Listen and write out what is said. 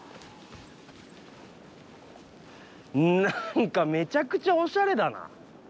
何かめちゃくちゃおしゃれだな。